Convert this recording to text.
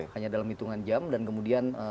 hanya dalam hitungan jam dan kemudian